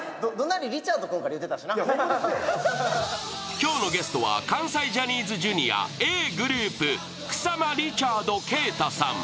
今日のゲストは関西ジャニーズＪｒ．草間リチャード敬太さん。